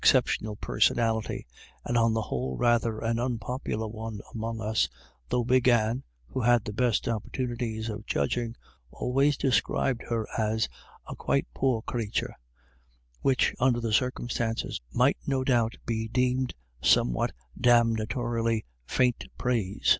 81 ceptional personality, and on the whole rather an unpopular one among us, though Big Anne, who had the best opportunities of judging, always de scribed her as " a quite poor crathur," which, under the circumstances, might no doubt be deemed somewhat damnatorily faint praise.